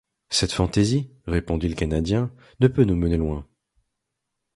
Cette fantaisie, répondit le Canadien, ne peut nous mener loin.